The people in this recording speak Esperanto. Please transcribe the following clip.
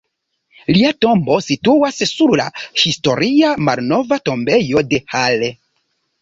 Lia tombo situas sur la historia Malnova tombejo de Halle.